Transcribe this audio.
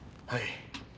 はい。